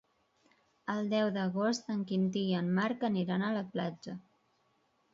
El deu d'agost en Quintí i en Marc aniran a la platja.